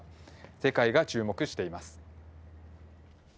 世界が注目しています。